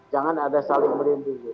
jangan ada saling melindungi